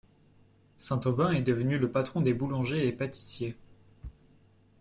Saint Aubin est devenu le patron des boulangers et pâtissiers.